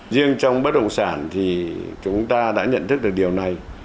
riêng trong bất động sản thì chúng ta đã nhận thức được điều này